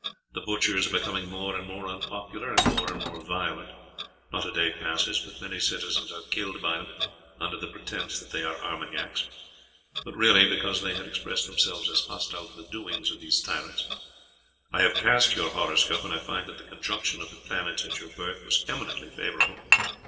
The butchers are becoming more and more unpopular and more and more violent; not a day passes but many citizens are killed by them under the pretence that they are Armagnacs, but really because they had expressed themselves as hostile to the doings of these tyrants. I have cast your horoscope, and I find that the conjunction of the planets at your birth was eminently favourable.